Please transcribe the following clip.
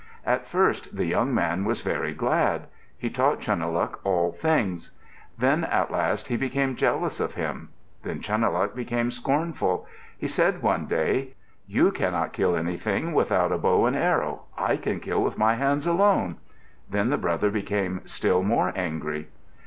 At first the young man was very glad. He taught Chunuhluk all things. Then at last he became jealous of him. Then Chunuhluk became scornful. He said one day, "You cannot kill anything without a bow and arrow. I can kill with my hands alone." Then the brother became still more angry.